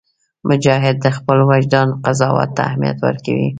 مجاهد د خپل وجدان قضاوت ته اهمیت ورکوي.